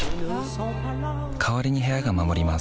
代わりに部屋が守ります